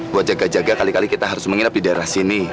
buat jaga jaga kali kali kita harus menginap di daerah sini